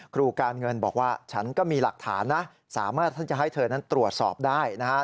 ครูการเงินบอกว่าฉันก็มีหลักฐานนะสามารถท่านจะให้เธอนั้นตรวจสอบได้นะฮะ